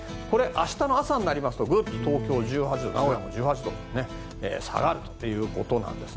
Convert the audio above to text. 明日の朝になりますと東京１８度名古屋も１８度で下がるということなんです。